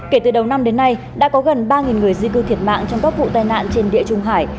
kể từ đầu năm đến nay đã có gần ba người di cư thiệt mạng trong các vụ tai nạn trên địa trung hải